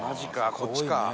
こっちか。